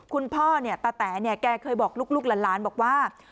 คุณพ่อเนี่ยตะแต๋เนี่ยแกเคยบอกลูกหลานบอกว่า